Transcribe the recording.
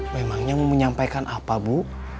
memangnya mau menyampaikan apa bu